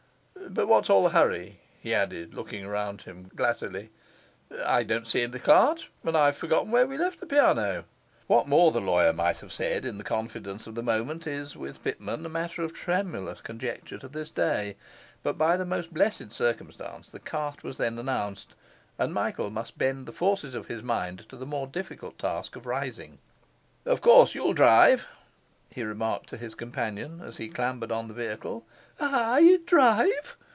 But what's all the hurry?' he added, looking round him glassily. 'I don't see the cart, and I've forgotten where we left the piano.' What more the lawyer might have said, in the confidence of the moment, is with Pitman a matter of tremulous conjecture to this day; but by the most blessed circumstance the cart was then announced, and Michael must bend the forces of his mind to the more difficult task of rising. 'Of course you'll drive,' he remarked to his companion, as he clambered on the vehicle. 'I drive!